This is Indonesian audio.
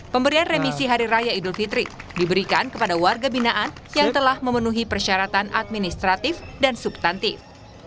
pemberian remisi hari raya idul fitri diberikan kepada warga binaan yang telah memenuhi persyaratan administratif dan subtantif